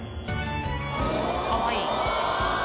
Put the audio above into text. かわいい。